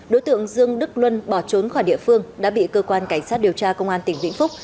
đối tượng dương đức luân bỏ trốn khỏi địa phương đã bị cơ quan cảnh sát điều tra công an tỉnh vĩnh phúc